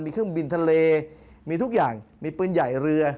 มีเครื่องบินทะเลมีทุกอย่างมีปืนใหญ่เรือ